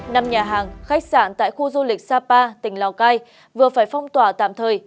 năm nhà hàng khách sạn tại khu du lịch sapa tỉnh lào cai vừa phải phong tỏa tạm thời